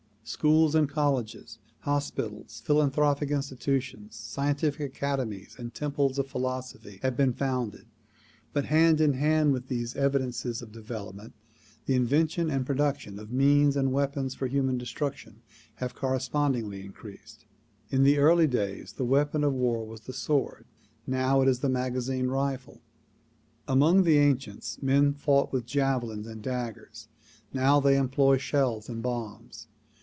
Schools and colleges, hospitals, philan thropic institutions, scientific academies and temples of philosophy have been founded, but hand in hand with these evidences of development, the invention and production of means and weapons for human destruction have correspondingly increased. In early days the weapon of war was the sword; now it is the magazine rifle. Among the ancients men fought with javelins and daggers; now they employ shells and bombs.